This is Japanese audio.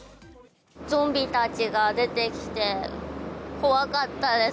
ゾンビたちが出てきて怖かったです。